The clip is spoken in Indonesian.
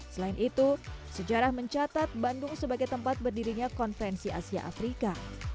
selain itu sejarah mencatat bandung sebagai tempat berdirinya konferensi asia afrika